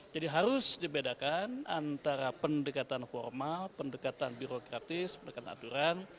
harus dibedakan antara pendekatan formal pendekatan birokratis pendekatan aturan